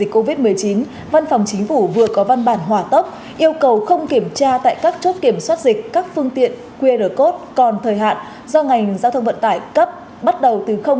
cụ thể như sau không kiểm tra tại các chốt kiểm soát dịch các phương tiện qr code còn thời hạn